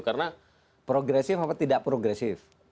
karena progresif apa tidak progresif